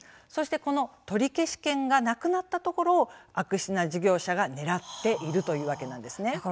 そしてこの取り消し権がなくなったところを悪質な事業者が狙っているというわけなんですね。